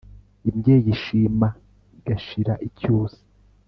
imbyeyi ishima igashira icyusa,